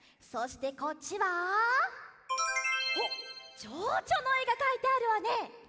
そしてこっちはおっチョウチョのえがかいてあるわね。